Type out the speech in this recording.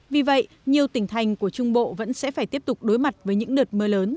vì vậy nhiều tỉnh thành của trung bộ vẫn sẽ phải tiếp tục đối mặt với những đợt mưa lớn